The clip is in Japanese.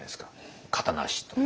形なしと。